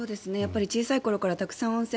小さい頃からたくさん温泉。